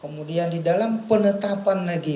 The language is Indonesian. kemudian di dalam penetapan lagi